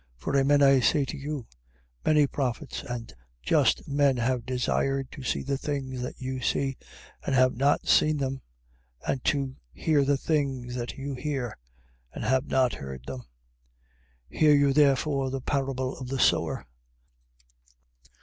13:17. For, amen, I say to you, many prophets and just men have desired to see the things that you see, and have not seen them: and to hear the things that you hear and have not heard them. 13:18. Hear you therefore the parable of the sower.